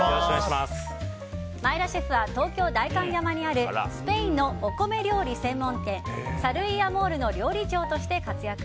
前田シェフは東京・代官山にあるスペインのお米料理専門店サル・イ・アモールの料理長として活躍。